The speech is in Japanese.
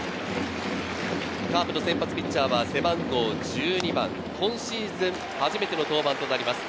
カープの先発ピッチャーは、背番号１２番、今シーズン初めての登板となります。